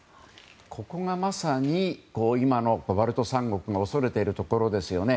ここがまさにバルト三国が恐れているところですよね。